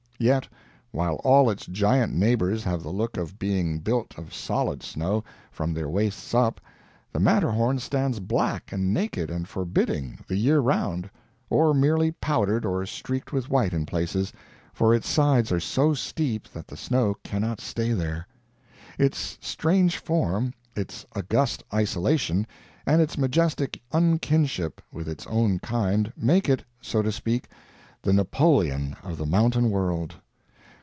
Yet while all its giant neighbors have the look of being built of solid snow, from their waists up, the Matterhorn stands black and naked and forbidding, the year round, or merely powdered or streaked with white in places, for its sides are so steep that the snow cannot stay there. Its strange form, its august isolation, and its majestic unkinship with its own kind, make it so to speak the Napoleon of the mountain world.